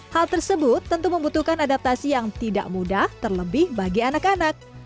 hal tersebut tentu membutuhkan adaptasi yang tidak mudah terlebih bagi anak anak